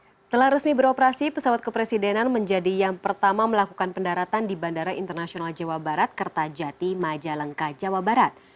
setelah resmi beroperasi pesawat kepresidenan menjadi yang pertama melakukan pendaratan di bandara internasional jawa barat kertajati majalengka jawa barat